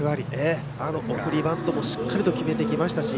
送りバントもしっかりと決めてきましたし